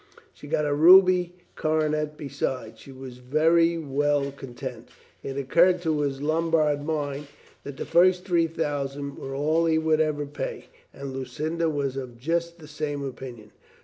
She got a ruby coronet beside. He was very well content. It occurred to his Lombard mind that the first three thousand were all he would ever pay. And Lucinda was of just the same opinion.